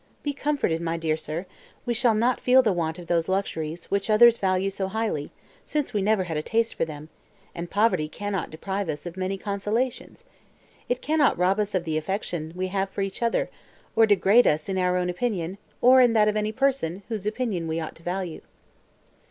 Be comforted, my dear sir; we shall not feel the want of those luxuries, which others value so highly, since we never had a taste for them; and poverty cannot deprive us of many consolations. It cannot rob us of the affection we have for each other, or degrade us in our own opinion, or in that of any person, whose opinion we ought to value."